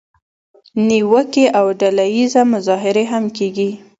نیوکې او ډله اییزه مظاهرې هم کیږي.